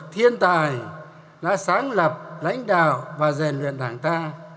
thiên tài đã sáng lập lãnh đạo và rèn luyện đảng ta